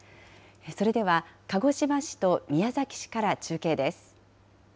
それでは、鹿児島市と宮崎市から中継です。